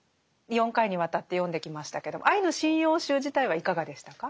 ４回にわたって読んできましたけど「アイヌ神謡集」自体はいかがでしたか？